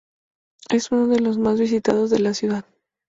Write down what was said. Es uno de los más visitados de la ciudad.